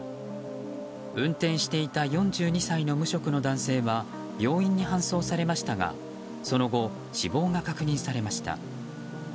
運転していた４２歳の無職の男性は病院に搬送されましたがその後、死亡が確認されました。